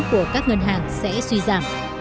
của các ngân hàng sẽ suy giảm